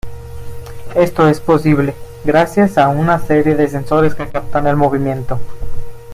Esto es posible gracias a una serie de sensores que captan el movimiento.